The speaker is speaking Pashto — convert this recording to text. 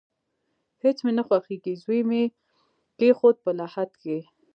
هیڅ مې نه خوښیږي، زوی مې کیښود په لحد کې